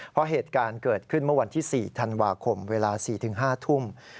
เพราะเหตุการณ์เกิดขึ้นเมื่อวันที่๔ธันวาคมเวลา๔๕ทุ่ม